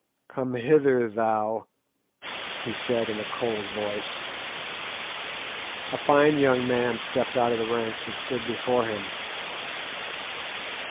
"Come hither, thou," he said, in a cold voice. A fine young man stepped out of the ranks, and stood before him.